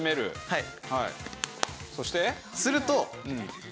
はい。